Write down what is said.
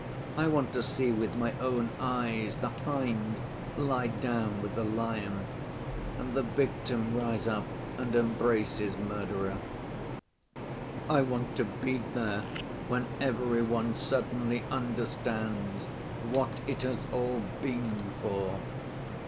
I want to see with my own eyes the hind lie down with the lion and the victim rise up and embrace his murderer. I want to be there when every one suddenly understands what it has all been for.